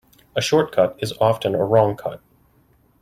A short cut is often a wrong cut.